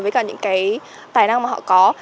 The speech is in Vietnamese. với cả những cái tài năng mà họ cần